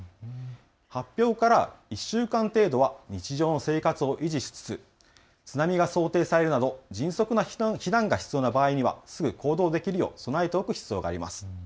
発表から１週間程度は日常の生活を維持しつつ津波が想定されるなど迅速な避難が必要な場合にはすぐ行動できるよう備えておく必要があります。